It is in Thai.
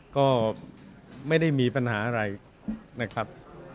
ก็ไม่ได้มีปัญหาอะไรนะครับ